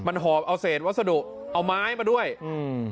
มันหอบเอาเศษวัสดุเอาไม้มาด้วยอืม